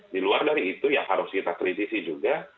di luar dari itu yang harus kita kritisi juga